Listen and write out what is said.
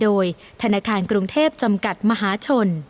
โดยธนาคารกรุงเทพจำกัดมหาชน